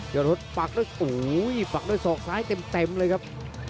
อดรถปักด้วยโอ้โหปักด้วยศอกซ้ายเต็มเลยครับ